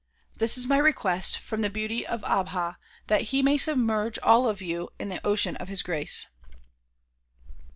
This is my request from the Beauty of Abha that he may submerge all of you in the ocean of his grace.